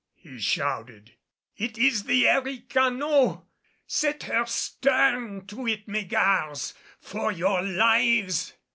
he shouted. "It is the hericano! Set her stern to it, mes gars, for your lives!"